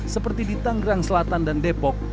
seperti di tanggerang selatan dan depok